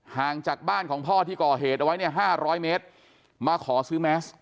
ห่างจากบ้านของพ่อที่ก่อเหตุเอาไว้เนี่ย๕๐๐เมตรมาขอซื้อแมส